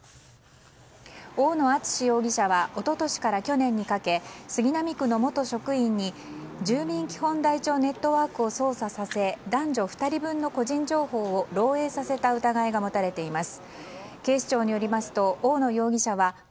大野淳志容疑者は一昨年から去年にかけ杉並区の元職員に住民基本台帳ネットワークを操作させ男女２人分の個人情報を漏洩させた疑いが持たれています。